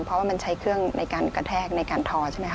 เพราะว่ามันใช้เครื่องในการกระแทกในการทอใช่ไหมค